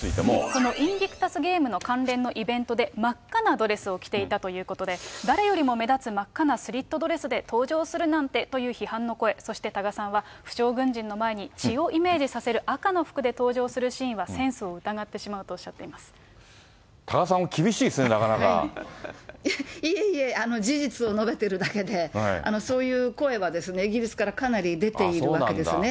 このインビクタス・ゲームの関連のイベントで、真っ赤なドレスを着ていたということで、誰よりも目立つ真っ赤なスリットドレスで登場するなんてという批判の声、そして多賀さんは、負傷軍人の前に、血をイメージさせる赤の服で登場するシーンはセンスを疑ってしま多賀さんも厳しいですね、ないえいえ、事実を述べてるだけで、そういう声はイギリスからかなり出ているわけですね。